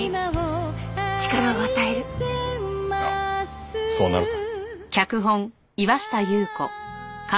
ああそうなるさ。